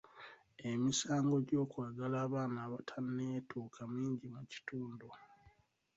Emisango gy'okwagala abaana abatanneetuuka mingi mu kitundu.